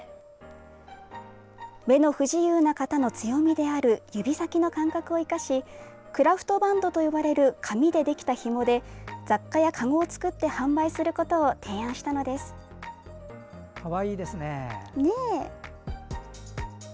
目の不自由な方の強みである指先の感覚を生かしクラフトバンドと呼ばれる紙でできたひもで雑貨やかごを作って販売することを提案したのです。